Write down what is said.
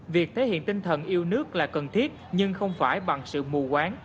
việc thể hiện tinh thần yêu nước là cần thiết nhưng không phải bằng sự mù quán